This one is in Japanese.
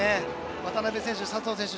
渡辺選手、佐藤選手